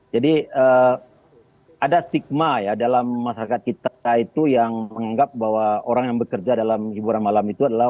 jadi ada stigma ya dalam masyarakat kita itu yang menganggap bahwa orang yang bekerja dalam hiburan malam itu adalah